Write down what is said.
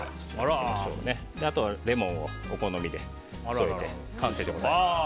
あとはレモンをお好みで添えて完成でございます。